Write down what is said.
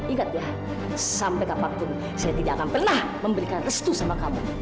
ingat ya sampai kapanpun saya tidak akan pernah memberikan restu sama kamu